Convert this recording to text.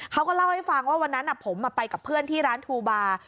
เขาก็เล่าให้ฟังว่าวันนั้นผมไปกับเพื่อนที่ร้านทูบา